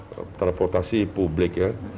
tarif transportasi publik ya